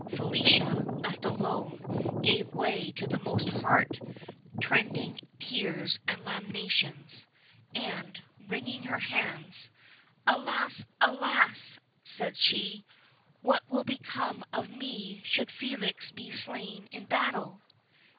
Felicia, left alone, gave way to the most heartrending tears and lamentations; and, wringing her hands: "Alas, alas!" said she, "what will become of me should Felix be slain in battle?